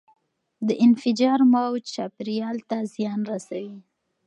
د انفجار موج چاپیریال ته زیان رسوي.